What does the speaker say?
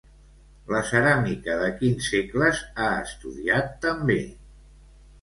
La ceràmica de quins segles ha estudiat també?